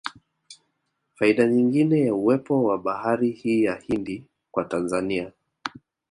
Faida nyingine ya uwepo wa bahari hii ya Hindi kwa Tanzania